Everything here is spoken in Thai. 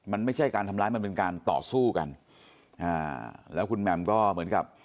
มันไม่ใช่การทำร้ายมันเป็นการต่อสู้กันอ่าแล้วคุณแหม่มก็เหมือนกับ